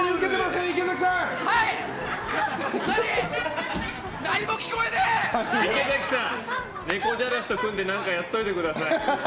ねこじゃらしと組んで何かやっておいてください。